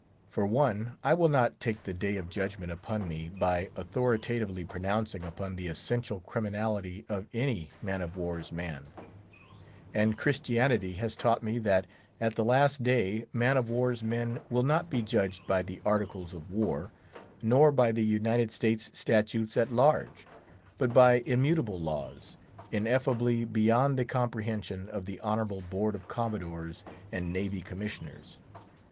For one, I will not take the Day of Judgment upon me by authoritatively pronouncing upon the essential criminality of any man of war's man; and Christianity has taught me that, at the last day, man of war's men will not be judged by the Articles of War, nor by the United States Statutes at Large, but by immutable laws, ineffably beyond the comprehension of the honourable Board of Commodores and Navy Commissioners.